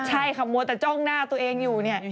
ใช่ค่ะมัวแต่จ้องหน้าตัวเองอยู่เนี่ย